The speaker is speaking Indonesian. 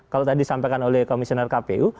kalau tadi disampaikan oleh komisioner kpu